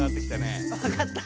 分かった！